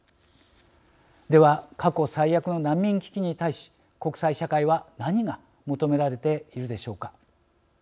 では過去最悪の難民危機に対し国際社会は何が求められているでしょうか。